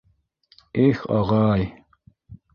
Их, ағай!